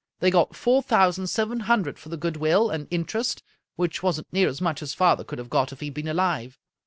They got four thousand seven hundred for the good will and interest, v/hich wasn't near as much as father could have got if he had been alive."